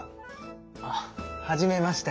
あっ初めまして。